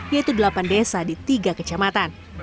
yaitu delapan desa di tiga kecamatan